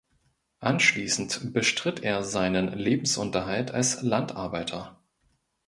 Anschließend bestritt er seinen Lebensunterhalt als Landarbeiter.